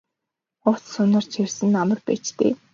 Хувцас хунар чирсэн нь амар байж дээ.